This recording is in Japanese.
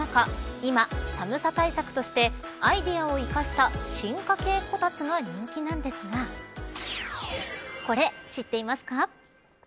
今、寒さ対策としてアイデアを生かした進化系こたつが人気なんですがこれ知っていますか。